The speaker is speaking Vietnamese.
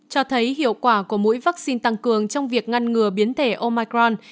cho thấy hiệu quả của mũi vaccine tăng cường trong việc ngăn ngừa biến thể omicron